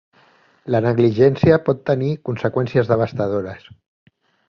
La negligència pot tenir conseqüències devastadores.